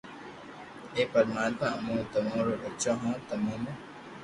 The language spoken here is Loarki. اي پرماتما امون تمو رو ٻچو ھون تمو مون